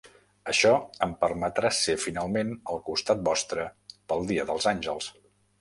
Això em permetrà ser finalment al costat vostre pel dia dels Àngels.